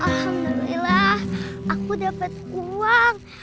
alhamdulillah aku dapet uang